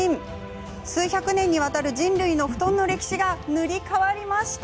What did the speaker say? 数百年にわたる人類の布団の歴史が塗り替わりました。